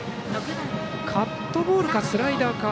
カットボールかスライダーか。